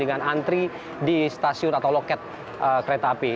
dengan antri di stasiun atau loket kereta api